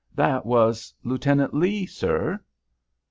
"That was Lieutenant Lee, sir."